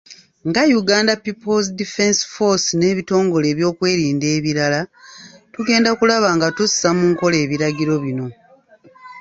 Nga Uganda People's Defence Force n'ebitongole byebyokwerinda ebirala, tugenda kulaba nga tussa mu nkola ebiragiro bino.